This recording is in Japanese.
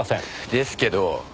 ですけど。